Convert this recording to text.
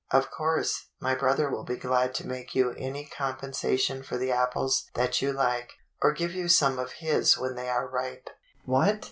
Of course, my brother will be glad to make you any compensation for the apples that you like, or give you some of his when they are ripe. What?